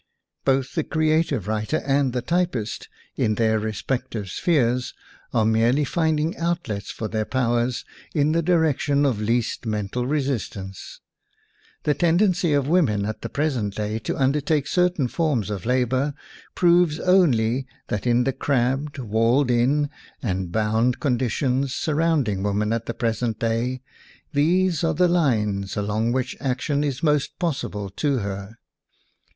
Both the creative writer and the typist, in their respective spheres, are merely finding outlets for their powers in the direc tion of least mental resistance. The ten dency of women at the present day to undertake certain forms of labor proves only that in the crabbed, walled in, and bound conditions surrounding woman at the present day, these are the lines WOMAN AND WAR along which action is most possible to her.